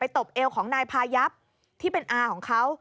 ตบเอวของนายพายับที่เป็นอาของเขา